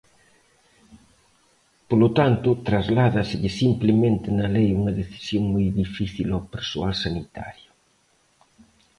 Polo tanto, trasládaselle simplemente na lei unha decisión moi difícil ao persoal sanitario.